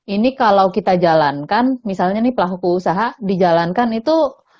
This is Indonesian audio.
ini kalau kita jalankan misalnya nih pelaku usaha dijalankan itu